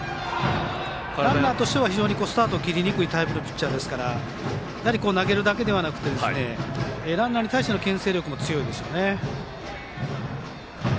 ランナーとしてはスタートを切りにくいタイプのピッチャーなので投げるだけではなくてランナーに対してのけん制力も強いですね。